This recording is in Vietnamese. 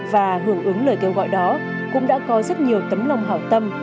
và hưởng ứng lời kêu gọi đó cũng đã có rất nhiều tấm lòng hảo tâm